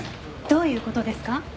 どういう事ですか？